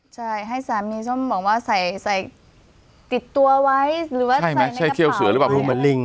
ใช่ให้สามนี้ส้มบอกว่าใส่ติดตัวไว้หรือว่าใส่ในกระเป๋าใช่ไหมใช่เขี้ยวเสือหรือเปล่า